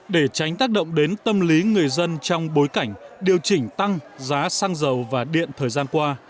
để tránh tác động đến tâm lý người dân trong bối cảnh điều chỉnh tăng giá xăng dầu và điện thời gian qua